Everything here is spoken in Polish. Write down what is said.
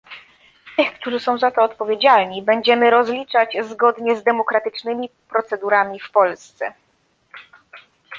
Tych, którzy są za to odpowiedzialni będziemy rozliczać zgodnie z demokratycznymi procedurami w Polsce